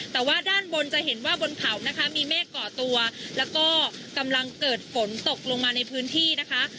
แต่ว่าด้านบนจะเห็นว่าบนเขานะคะมีเมฆก่อตัวแล้วก็กำลังเกิดฝนตกลงมาในพื้นที่นะคะ